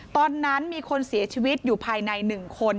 ตอนนั้นมีคนเสียชีวิตอยู่ภายใน๑คน